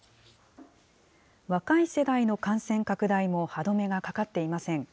若い世代の感染拡大も歯止めがかかっていません。